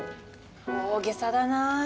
大げさだなあ。